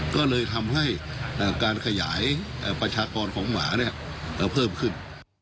ก็เลยทำให้การขยายประชากรของหมาเราเพิ่มขึ้น